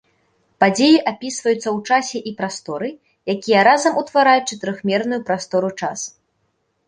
Падзеі апісваюцца ў часе і прасторы, якія разам утвараюць чатырохмерную прастору-час.